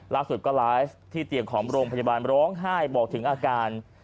ล่าสุดก็ไลฟ์ที่เตียงของโรงพยาบาลร้องไห้บอกถึงอาการ